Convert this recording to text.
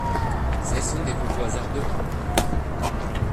Cessons des propos hasardeux.